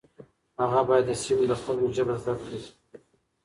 هغه باید د سیمې د خلکو ژبه زده کړي.